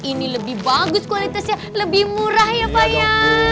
ini lebih bagus kualitasnya lebih murah ya pak ya